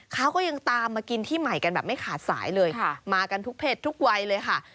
เขาก็ยังตามมากินที่ใหม่กันแบบไม่ขาดสายเลยมากันทุกเพศทุกวัยเลยค่ะ